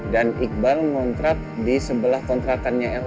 dan iqbal mengontrak di sebelah kontrakannya elsa